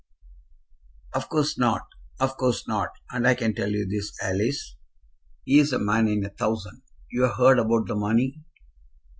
"Of course not; of course not; and I can tell you this, Alice, he is a man in a thousand. You've heard about the money?"